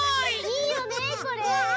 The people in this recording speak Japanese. いいよねこれ。